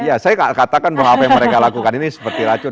ya saya katakan bahwa apa yang mereka lakukan ini seperti racun